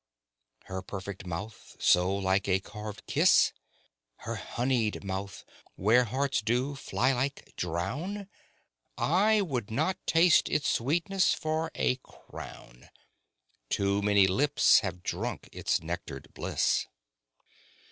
"Her perfect mouth so liked a carved kiss?" "Her honeyed mouth, where hearts do, fly like, drown?" I would not taste its sweetness for a crown; Too many lips have drank its nectared bliss.